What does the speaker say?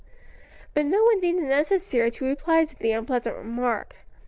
But no one deemed it necessary to reply to the unpleasant remark.